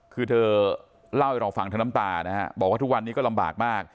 คือเธอเล่าให้เราฟังทั้งน้ำตานะฮะบอกว่าทุกวันนี้ก็ลำบากมาก